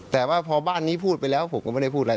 แต่ว่าพอบ้านนี้พูดไปแล้วผมก็ไม่ได้พูดอะไร